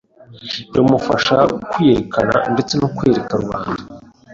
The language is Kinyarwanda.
bimufasha kwiyerekana ndetse no kwereka rubanda